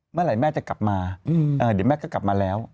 เมื่อไหร่แม่จะกลับมาเดี๋ยวแม่ก็กลับมาแล้ว